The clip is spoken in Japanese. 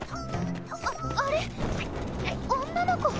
あっあれ女の子。